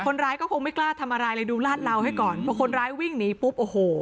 คนร้ายก็คงไม่กล้าทำอะไรเลยดูลาดเหลาให้ก่อนเพราะคนร้ายวิ่งหนีปุ๊บโอ้โห